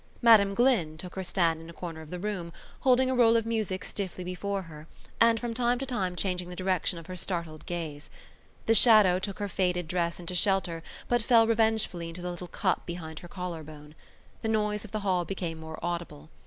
Madam Glynn took her stand in a corner of the room, holding a roll of music stiffly before her and from time to time changing the direction of her startled gaze. The shadow took her faded dress into shelter but fell revengefully into the little cup behind her collar bone. The noise of the hall became more audible.